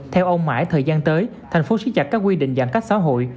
theo ông mãi thời gian tới thành phố xích chặt các quy định giãn cách xã hội